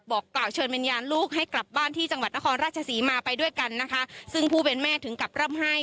กล่าวเชิญวิญญาณลูกให้กลับบ้านที่จังหวัดนครราชศรีมาไปด้วยกันนะคะซึ่งผู้เป็นแม่ถึงกับร่ำไห้